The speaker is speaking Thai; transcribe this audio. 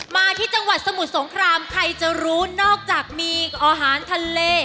มาที่จังหวัดสมุทรสงครามใครจะรู้นอกจากมีอาหารทะเล